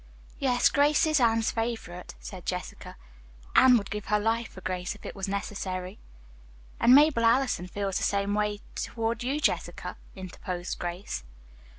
"Yes, Grace is Anne's favorite," said Jessica. "Anne would give her life for Grace if it were necessary." "And Mabel Allison feels the same way toward you, Jessica," interposed Grace.